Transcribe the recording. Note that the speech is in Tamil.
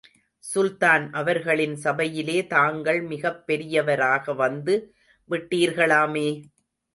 சுல்தான் அவர்களின் சபையிலே தாங்கள் மிகப் பெரியவராக வந்து விட்டீர்களாமே!